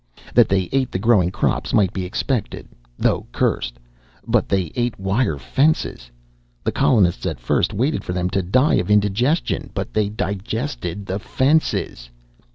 That they ate the growing crops might be expected, though cursed. But they ate wire fences. The colonists at first waited for them to die of indigestion. But they digested the fences.